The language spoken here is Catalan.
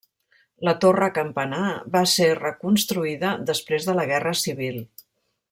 La torre campanar va ser reconstruïda després de la guerra civil.